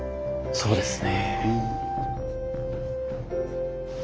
そうですね。